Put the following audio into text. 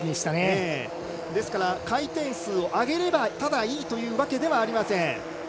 ただ回転数を上げればいいというわけではありません。